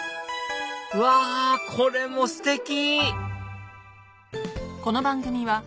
うわこれもステキ！